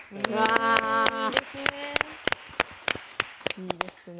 いいですね。